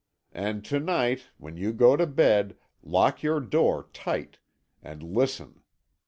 And to night, when you go to bed, lock your door tight, and listen.